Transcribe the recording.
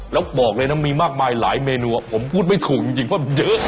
แล้วบอกเลยนะมีมากมายหลายเมนูผมพูดไม่ถูกจริงเพราะเยอะ